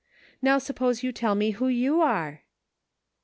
Now, suppose you tell me who you are."